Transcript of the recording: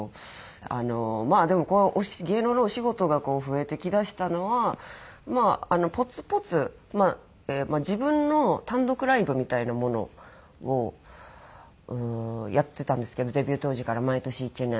まあでも芸能のお仕事が増えてきだしたのはまあぽつぽつ自分の単独ライブみたいなものをやってたんですけどデビュー当時から毎年１年。